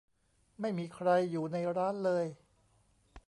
ไม่มีใครอยู่ในร้านเลย